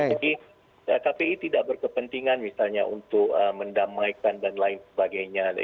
jadi kpi tidak berkepentingan misalnya untuk mendamaikan dan lain sebagainya